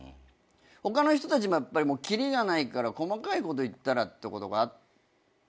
他の人たちも切りがないから細かいこと言ったらってことがあって。